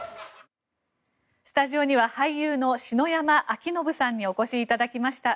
スタジオには俳優の篠山輝信さんにお越しいただきました。